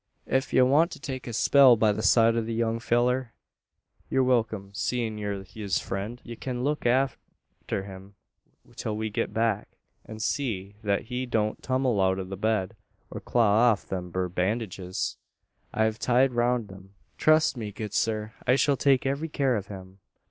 Ef ye want to take a spell by the side o' the young fellur, ye're wilkim seein' ye're his friend. Ye kin look arter him, till we git back, an see thet he don't tummel out o' the bed, or claw off them thur bandidges, I've tied roun him." "Trust me, good sir, I shall take every care of him.